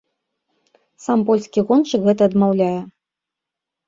Сам польскі гоншчык гэта адмаўляе.